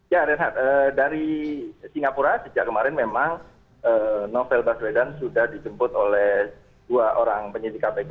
ya renhat dari singapura sejak kemarin memang novel baswedan sudah dijemput oleh dua orang penyidik kpk